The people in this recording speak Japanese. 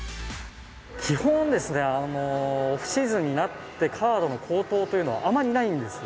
基本、オフシーズンになって、カードの高騰というのはあまりないんですよ。